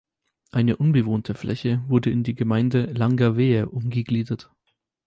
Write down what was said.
Eine unbewohnte Fläche wurde in die Gemeinde Langerwehe umgegliedert.